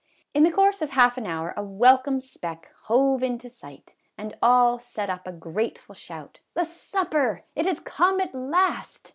In the course of half an hour a welcome speck " hove into sight," and all set up a grateful shout, " The supper ! It has come at last."